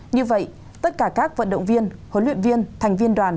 như vậy tất cả các vận động viên huấn luyện viên thành viên đoàn